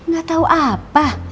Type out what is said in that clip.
gak tau apa